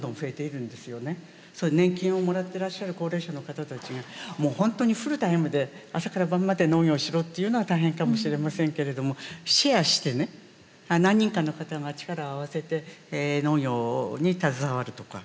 そういう年金をもらってらっしゃる高齢者の方たちがもうほんとにフルタイムで朝から晩まで農業をしろというのは大変かもしれませんけれどもシェアしてね何人かの方が力を合わせて農業に携わるとか。